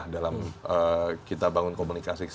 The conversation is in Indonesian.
dalam kita bangun komunikasi